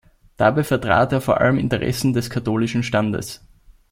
Dabei vertrat er vor allem Interessen des katholischen Standes.